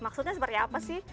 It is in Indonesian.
maksudnya seperti apa sih